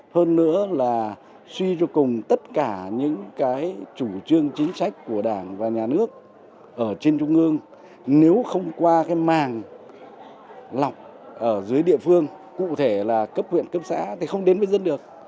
hơn nữa là suy cho cùng tất cả những cái chủ trương chính sách của đảng và nhà nước ở trên trung ương nếu không qua cái màng lọc ở dưới địa phương cụ thể là cấp huyện cấp xã thì không đến với dân được